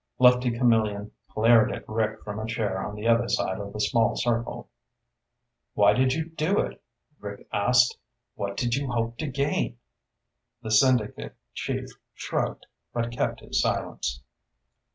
Lefty Camillion glared at Rick from a chair on the other side of the small circle. "Why did you do it?" Rick asked. "What did you hope to gain?" The syndicate chief shrugged, but kept his silence.